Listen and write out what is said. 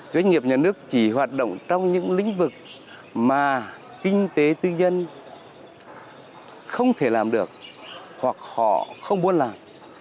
doanh nghiệp nhà nước chỉ hoạt động trong những lĩnh vực mà kinh tế tư nhân không thể làm được hoặc họ không muốn làm